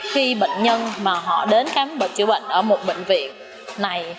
khi bệnh nhân mà họ đến khám bệnh chữa bệnh ở một bệnh viện này